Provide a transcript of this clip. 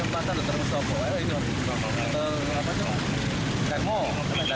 jalan indragiri sampai jalan bukit mas